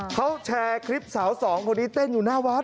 เขาแชร์คลิปสาวสองคนนี้เต้นอยู่หน้าวัด